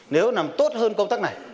nếu nằm tốt hơn công tác này